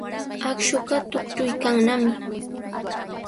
Akshuqa tuktuykannami.